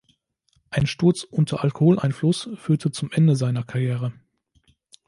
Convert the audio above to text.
Ein Sturz unter Alkoholeinfluss führte zum Ende seiner Karriere.